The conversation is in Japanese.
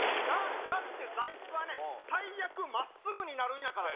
だって、座いすはね、最悪、まっすぐになるんやから。